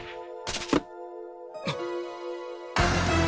あっ！